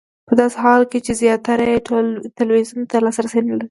په داسې حال کې چې زیاتره یې ټلویزیون ته لاسرسی نه لري.